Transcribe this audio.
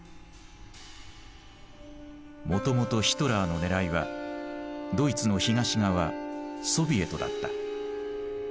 もともとヒトラーの狙いはドイツの東側ソビエトだった。